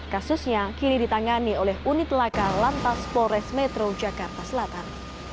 kasusnya kini ditangani oleh unit laka lantas polres metro jakarta selatan